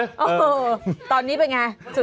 เออตอนนี้เป็นอย่างไรสุดท้าย